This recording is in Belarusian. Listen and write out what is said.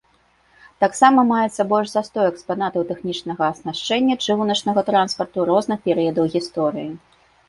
Таксама маецца больш за сто экспанатаў тэхнічнага аснашчэння чыгуначнага транспарту розных перыядаў гісторыі.